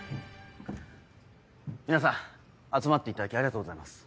皆さん集まっていただきありがとうございます。